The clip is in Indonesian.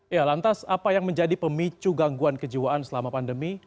ya lantas apa yang menjadi pemicu gangguan kejiwaan selama pandemi